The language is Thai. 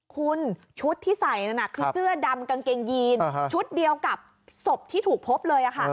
คุณชุดที่ใส่นั่นน่ะคือเสื้อดำกางเกงยีนชุดเดียวกับศพที่ถูกพบเลยค่ะ